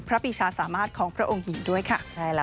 ปีชาสามารถของพระองค์หญิงด้วยค่ะ